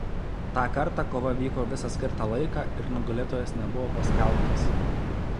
Tą kartą kova vyko visą skirtą laiką ir nugalėtojas nebuvo paskelbtas.